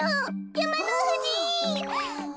やまのふじ！